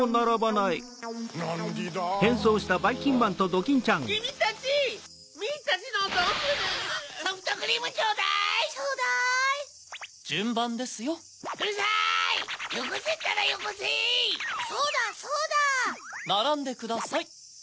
ならんでください。